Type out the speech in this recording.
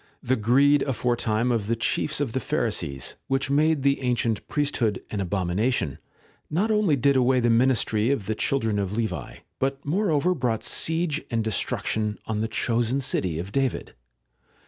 The greed aforetime of the chiefs of the Pharisees, which made the ancient priesthood an abomi nation, not only did away the ministry of the children of Levi, but moreover brought siege and destruction on the chosen city of David.